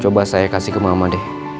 coba saya kasih ke mama deh